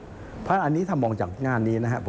เพราะฉะนั้นอันนี้ถ้ามองจากงานนี้นะครับ